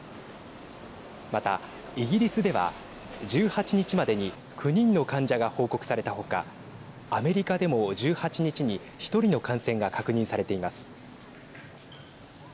また、イギリスでは１８日までに９人の患者が報告されたほかアメリカでも１８日に１人の感染が確認されています。